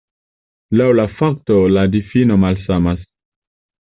Laŭ la fako la difino malsamas.